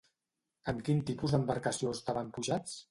En quin tipus d'embarcació estaven pujats?